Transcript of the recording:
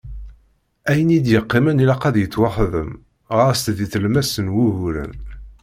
Ayen i d-yeqqimen ilaq ad yettwaxdem, ɣas di tlemmast n wuguren.